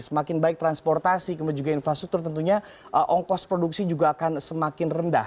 semakin baik transportasi kemudian juga infrastruktur tentunya ongkos produksi juga akan semakin rendah